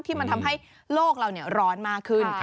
ที่มันทำให้โลกเราร้อนมากขึ้น